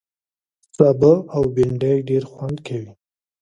سابه او بېنډۍ ډېر خوند کوي